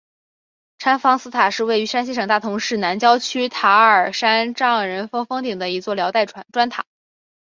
禅房寺塔是位于山西省大同市南郊区塔儿山丈人峰峰顶的一座辽代砖塔。